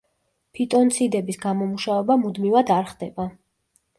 ფიტონციდების გამომუშავება მუდმივად არ ხდება.